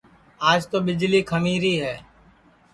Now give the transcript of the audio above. آج تو ٻݪی کھنٚویری ہے